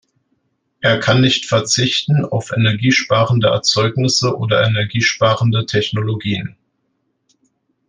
Er kann nicht verzichten auf energiesparende Erzeugnisse oder energiesparende Technologien.